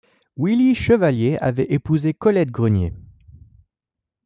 Willie Chevalier avait épousé Colette Grenier.